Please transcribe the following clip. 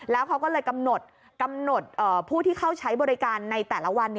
แล้วเขาก็เลยกำหนดผู้ที่เข้าใช้บริการในแต่ละวัน